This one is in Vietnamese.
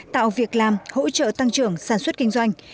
tạo việc làm hỗ trợ tăng trưởng sản xuất kinh doanh